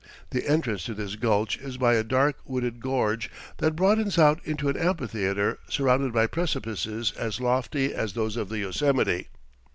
The entrance to this "gulch" is by a dark, wooded gorge that broadens out into an amphitheater surrounded by precipices as lofty as those of the Yosemite.